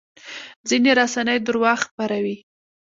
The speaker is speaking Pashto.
ځینې رسنۍ درواغ خپروي.